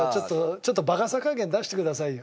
ちょっとバカさ加減出してくださいよ。